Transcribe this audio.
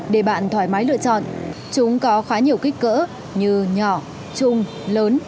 để bạn thoải mái lựa chọn chúng có khá nhiều kích cỡ như nhỏ chung lớn